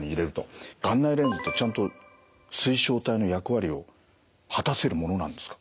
眼内レンズってちゃんと水晶体の役割を果たせるものなんですか？